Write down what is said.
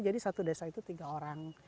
jadi satu desa itu tiga orang